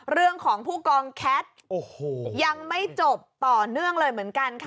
เรื่องของผู้กองแคทยังไม่จบต่อเนื่องเลยเหมือนกันค่ะ